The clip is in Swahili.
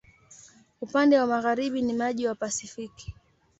Upande wa magharibi ni maji wa Pasifiki.